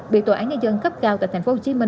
bị tòa án nhân dân cấp cao tại tp hcm